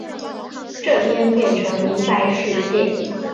这边变成银白世界